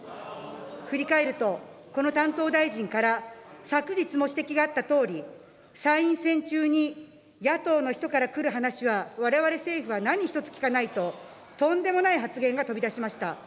振り返ると、この担当大臣から昨日も指摘があったとおり、参院選中に野党の人からくる話はわれわれ政府は何一つ聞かないと、とんでもない発言が飛び出しました。